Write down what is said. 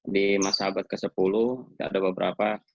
di masa abad ke sepuluh ada beberapa